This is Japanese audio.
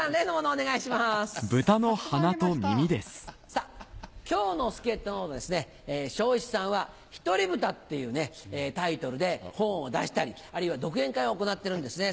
さぁ今日の助っ人の生志さんは『ひとりブタ』っていうタイトルで本を出したりあるいは独演会を行ってるんですね。